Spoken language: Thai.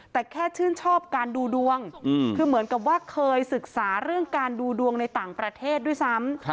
แต่แค่ชื่นชอบการดูดวงคือเหมือนกับว่าเคยศึกษาเรื่องการดูดวงในต่างประเทศด้วยซ้ำ